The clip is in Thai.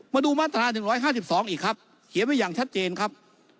มาดูมาตรา๑๕๒อีกครับเขียนไว้อย่างชัดเจนครับ